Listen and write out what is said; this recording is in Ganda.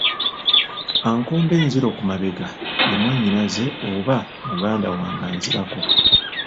Ankomba enziro ku mugongo ye mwannyinaze oba muganda wange anzirako.